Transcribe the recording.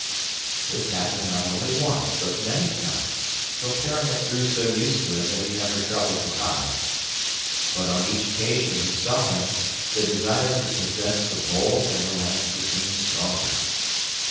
This happened not only once but many times, till Peronnik grew so used to him that he never troubled to hide. But on each occasion he saw him the desire to possess the bowl and the lance became stronger.